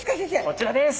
こちらです。